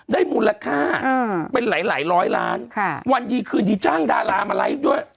ได้มูลค่าอืมเป็นหลายหลายร้อยล้านค่ะวันดีคืนดีจ้างดารามาไลฟ์ด้วย